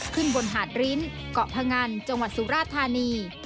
ขึ้นบนหาดริ้นเกาะพงันจังหวัดสุราธานี